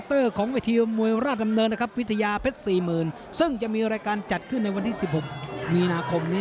ยกนี้น่าจะใช้เอารายชัดเจน